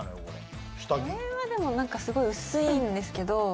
これはでもすごい薄いんですけど。